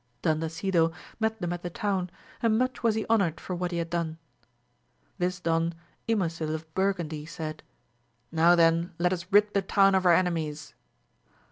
Dandasido met them at the town, and much was he honoured for AMADIS OF GAUL, 161 what he had done. This done Ymosil of Burgundy said, Now then let us rid the town of our ememies.